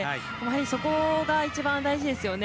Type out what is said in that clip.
そこが一番、大事ですよね。